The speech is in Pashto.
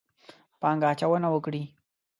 پانګه اچونه وکړي.